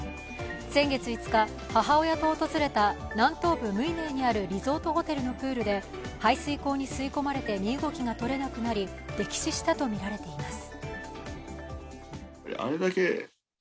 先月５日、母親と訪れた南東部ムイネーにあるリゾートホテルのプールで排水口に吸い込まれて身動きがとれなくなり、溺死したとみられています。